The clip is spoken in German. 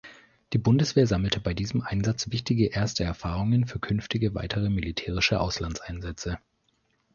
Die Bundeswehr sammelte bei diesem Einsatz wichtige erste Erfahrungen für künftige weitere militärische Auslandseinsätze.